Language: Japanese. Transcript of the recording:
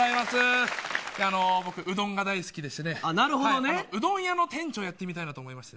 僕、うどんが大好きでしてうどん屋の店長やってみたいと思いまして。